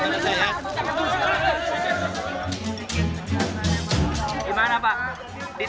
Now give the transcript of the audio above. berdua lagi yang melupakan orang lain